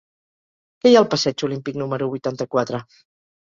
Què hi ha al passeig Olímpic número vuitanta-quatre?